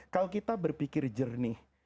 kalau kita berpikir jernih